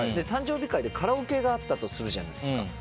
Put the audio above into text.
誕生日会でカラオケがあったとするじゃないですか。